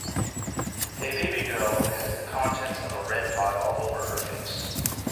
A baby girl has the contents of a red pot all over her face.